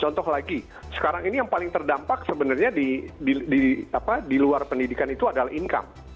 contoh lagi sekarang ini yang paling terdampak sebenarnya di luar pendidikan itu adalah income